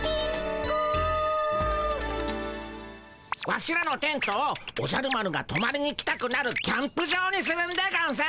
ワシらのテントをおじゃる丸がとまりに来たくなるキャンプ場にするんでゴンス。